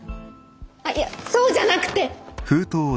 あっいやそうじゃなくて！